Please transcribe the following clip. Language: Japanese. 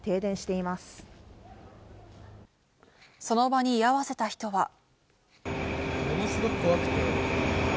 その場に居合わせた人は。